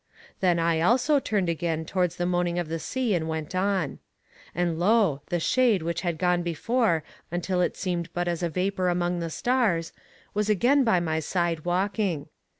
Then I also turned again towards the moaning of the sea and went on. And lo! the shade which had gone before until it seemed but as a vapour among the stars, was again by my side walking.